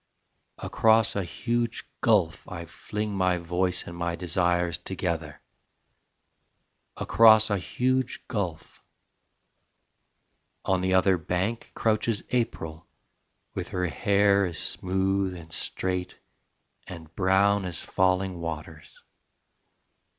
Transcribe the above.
Across a huge gulf I fling my voice And my desires together: Across a huge gulf ... on the other bank Crouches April with her hair as smooth and straight and brown As falling waters.